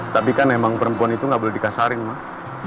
tapi kan emang perempuan itu nggak boleh dikasarin pak